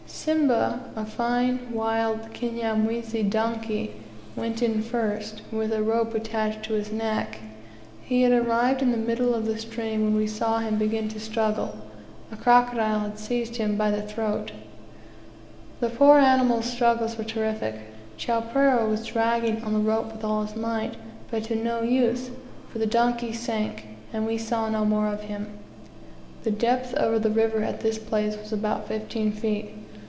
"Simba," a fine wild Kinyamwezi donkey, went in first, with a rope attached to his neck. He had arrived at the middle of the stream when we saw him begin to struggle a crocodile had seized him by the throat. The poor animal's struggles were terrific. Chowpereh was dragging on the rope with all his might, but to no use, for the donkey sank, and we saw no more of him. The depth of the river at this place was about fifteen feet.